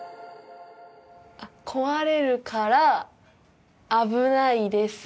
壊れるから危ないです。